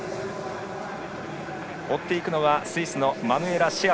追っていくのはスイスのマヌエラ・シェア。